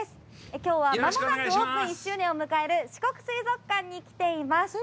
きょうは、間もなくオープン１周年を迎える、四国水族館に来ています。